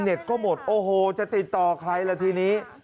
เน็ตก็หมดโอ้โหจะติดต่อใครล่ะทีนี้